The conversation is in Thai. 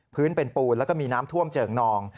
พื้นเป็นปูนแล้วก็มีน้ำท่วมเจิ่งนอง